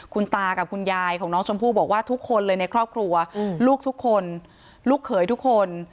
คุณตากับคุณยายของน้องชมพู่บอกว่าทุกคนเลยในครอบครัวลูกทุกคนลูกเขยทุกคน